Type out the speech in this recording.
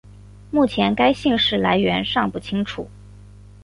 目前该姓氏来源尚不清楚。